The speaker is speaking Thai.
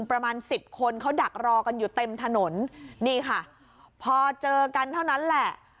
ประมาณสิบคนเขาดักรอกันอยู่เต็มถนนนี่ค่ะพอเจอกันเท่านั้นแหละ